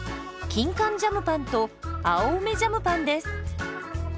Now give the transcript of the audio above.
キンカンジャムパンと青梅ジャムパンです。